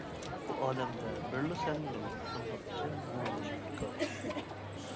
بۇ ئالەمدە بىرلا سەن مىنىڭ، شۇنداق ئىكەن مۇڭلىنىش بىكار.